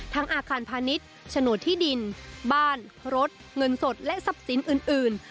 อาคารพาณิชย์โฉนดที่ดินบ้านรถเงินสดและทรัพย์สินอื่น